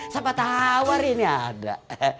sampai tawar ini ada